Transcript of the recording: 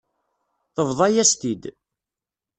Tebḍa-yas-t-id.